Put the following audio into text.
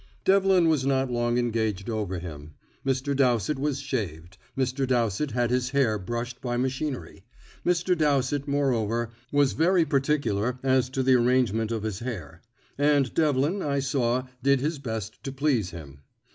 Devlin was not long engaged over him. Mr. Dowsett was shaved; Mr. Dowsett had his hair brushed by machinery; Mr. Dowsett, moreover, was very particular as to the arrangement of his hair; and Devlin, I saw, did his best to please him.